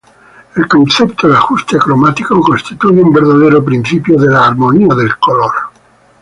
El concepto de ajuste cromático constituye un verdadero principio de la armonía del color.